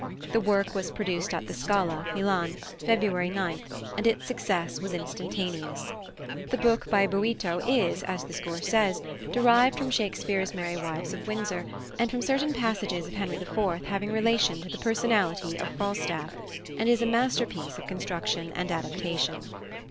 The work was produced at the Scala, Milan, February 9, and its success was instantaneous. The book by Boito is, as the score says, "derived from Shakespeare's Merry Wives of Windsor, and from certain passages of Henry IV. having relation to the personality of Falstaff," and is a masterpiece of construction and adaptation.